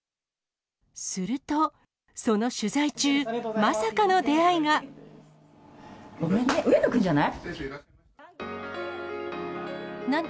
すると、その取材中、まさかごめんね、上野君じゃない？